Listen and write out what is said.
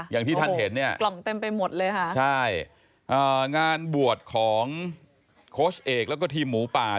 อย่างที่ท่านเห็นเนี่ยใช่งานบวชของโคชเอกแล้วก็ทีมหมูป่า